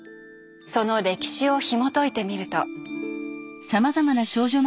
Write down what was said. その歴史をひもといてみると。